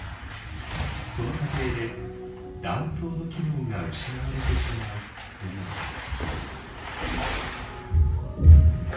その過程で卵巣の機能が失われてしまうというのです。